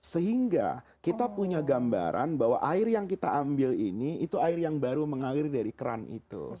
sehingga kita punya gambaran bahwa air yang kita ambil ini itu air yang baru mengalir dari keran itu